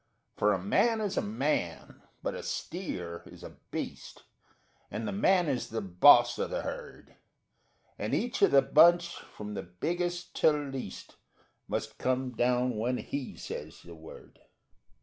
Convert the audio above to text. For a man is a man, but a steer is a beast, And the man is the boss of the herd, And each of the bunch, from the biggest to least, _Must come down when he says the word.